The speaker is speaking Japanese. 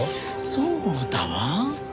そうだわ。